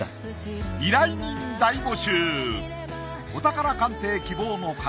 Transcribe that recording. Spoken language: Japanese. お宝鑑定希望の方